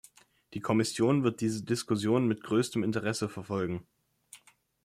Die Kommission wird diese Diskussionen mit größtem Interesse verfolgen.